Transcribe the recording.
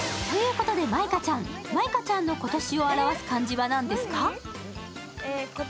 ということで舞香ちゃん、舞香ちゃんの今年を表す漢字は何ですか？